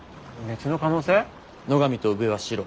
野上と宇部はシロ。